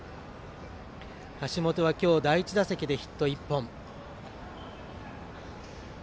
橋本は今日第１打席でヒット１本。